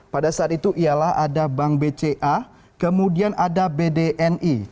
pada saat itu ialah ada bank bca kemudian ada bdni